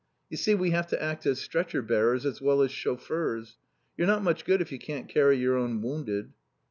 You see, we have to act as stretcher bearers as well as chauffeurs. You're not much good if you can't carry your own wounded.